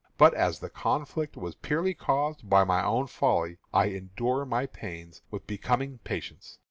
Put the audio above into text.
But, as the conflict was purely caused by my own folly, I endure my pains with becoming patience.